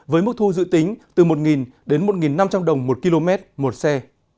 với mức thu dự tính từ một đến một năm trăm linh đồng một km một xe